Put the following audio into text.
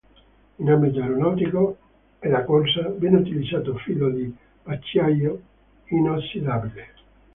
In ambito aeronautico e da corsa, viene utilizzato filo di acciaio inossidabile.